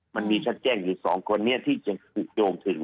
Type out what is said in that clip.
มันมีชัดแจ้งอยู่๒คนนี้ที่ยอมถึง